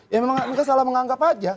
ya memang ini kan salah menganggap aja